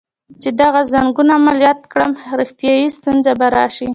چې دغه ځنګون عملیات کړم، روغتیایی ستونزه به راشي.